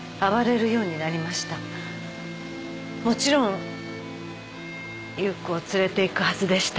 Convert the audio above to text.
もちろん夕子を連れていくはずでした。